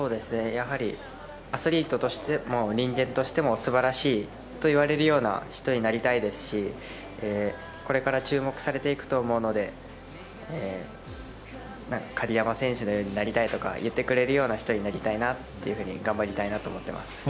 やはり、アスリートとしても人間としても素晴らしいと言われるような人になりたいですしこれから注目されていくと思うので鍵山選手のようになりたいとか言ってくれるような人になれるように頑張りたいなと思っております。